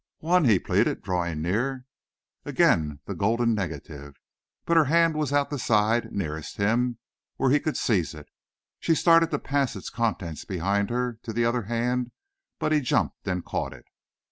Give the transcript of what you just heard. "One," he pleaded, drawing near. Again the golden negative. But her hand was at the side nearest him, where he could seize it. She started to pass its contents behind her to the other hand but he jumped and caught it.